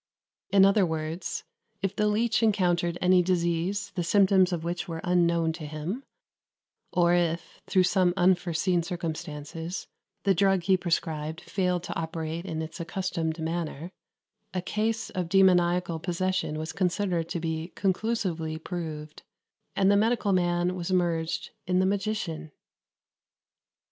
In other words, if the leech encountered any disease the symptoms of which were unknown to him, or if, through some unforeseen circumstances, the drug he prescribed failed to operate in its accustomed manner, a case of demoniacal possession was considered to be conclusively proved, and the medical man was merged in the magician. [Footnote 1: Ch. 10.] 64.